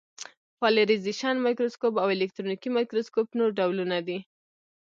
پالرېزېشن مایکروسکوپ او الکترونیکي مایکروسکوپ نور ډولونه دي.